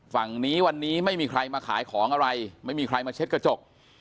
ฝั่งนี้วันนี้ไม่มีใครมาขายของอะไรไม่มีใครมาเช็ดกระจก